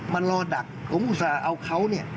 มันรอดับผมอุตส่าห์เอาเขา